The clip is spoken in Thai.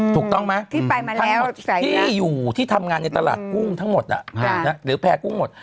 ถูกต้องไหมทั้งหมดที่อยู่ที่ทำงานในตลาดกุ้งทั้งหมดหรือแพร่กุ้งหมด